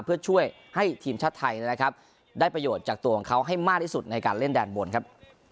เพื่อช่วยให้ทีมชาติไทยนะครับได้ประโยชน์จากตัวของเขาให้มากที่สุดในการเล่นแดนบนครับ